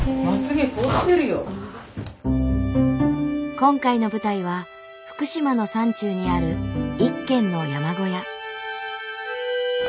今回の舞台は福島の山中にある一軒の山小屋。